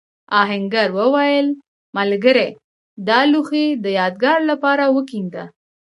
آهنګر وویل ملګري دا لوښی د یادگار لپاره وکېنده.